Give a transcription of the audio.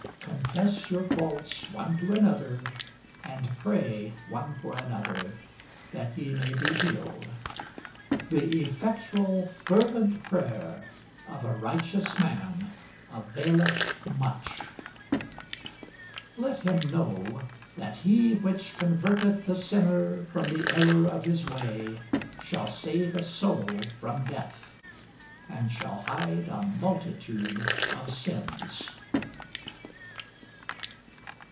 Confess your faults one to another, and pray one for another, that ye may be healed. The effectual fervent prayer of a righteous man availeth much. Let him know, that he which converteth the sinner from the error of his way shall save a soul from death, and shall hide a multitude of sins.